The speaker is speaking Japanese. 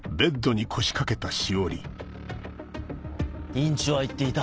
院長は言っていた。